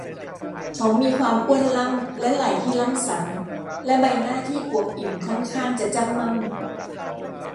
เขามีความอ้วนล่ำและไหล่ที่ล่ำสัน และใบหน้าที่อวบอิ่มค่อนข้างจะจ้ำม่ำ